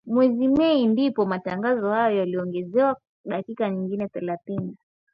Mwezi Mei ndipo matangazo hayo yaliongezewa dakika nyingine thelathini